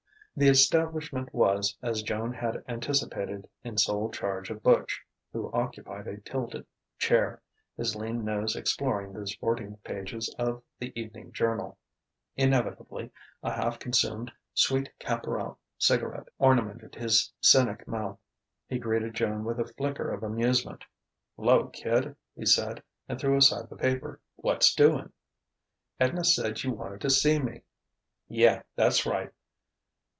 The establishment was, as Joan had anticipated, in sole charge of Butch, who occupied a tilted chair, his lean nose exploring the sporting pages of The Evening Journal. Inevitably, a half consumed Sweet Caporal cigarette ornamented his cynic mouth. He greeted Joan with a flicker of amusement. "'Lo, kid!" he said: and threw aside the paper. "What's doing?" "Edna said you wanted to see me." "Yeh: that's right."